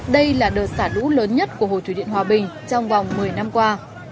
đây là đợt xả lũ lớn nhất của hồ thủy điện hòa bình trong vòng một mươi năm qua